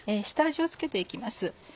下味をつけて行きます。